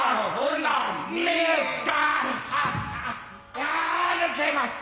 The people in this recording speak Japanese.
あ抜けました。